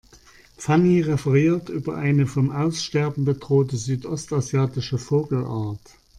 Fanny referiert über eine vom Aussterben bedrohte südostasiatische Vogelart.